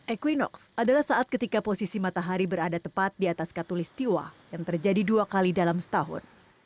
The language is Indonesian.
equinox adalah saat ketika posisi matahari berada tepat di atas katulistiwa yang terjadi dua kali dalam setahun